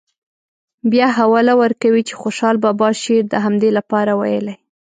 بیا حواله ورکوي چې خوشحال بابا شعر د همدې لپاره ویلی.